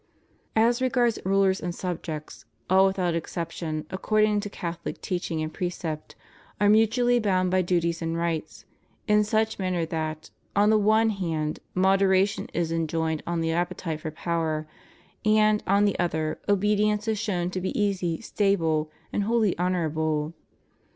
^ ^As regards rulers and » 1 Tim. m. 15. »2 Cor. vi. 14. » Eph. iil 1& SOCIALISM, COMMUNISM, NIHILISM. 27 subjects, all without exception, according to Catholic teaching and precept, are mutually bound by duties and rights, in such manner that, on the one hand, moderation is enjoined on the appetite for power, and, on the other, obedience is shown to be easy, stable, and wholly honor able.